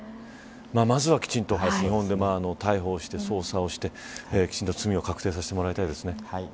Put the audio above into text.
まずはきちんと日本で逮捕して、捜査をしてきちんと罪を確定させてもらいたいですね。